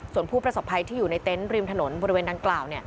ส่วนผู้ประสบภัยที่อยู่ในเต็นต์ริมถนนบริเวณดังกล่าว